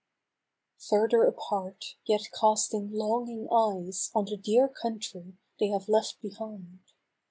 Further apart, yet casting longing eyes On the dear country they have left behind.